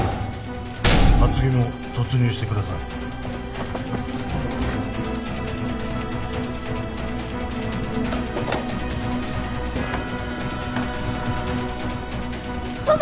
厚木も突入してください友果！